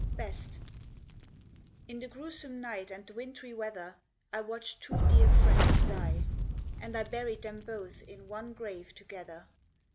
BEST In the gruesome night and the wintry weather, I watched two dear friends die, And I buried them both in one grave together.